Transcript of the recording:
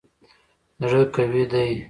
زړه قوي دی.